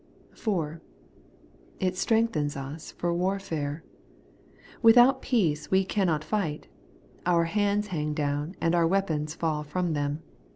4. It strengthens us for warfare. Without peace we cannot fight. Our hands hang down, and our weapons fall from them.